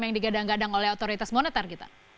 yang digadang gadang oleh otoritas moneter kita